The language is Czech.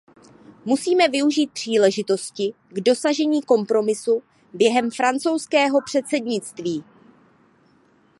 Musíme využít příležitosti k dosažení kompromisu během francouzského předsednictví.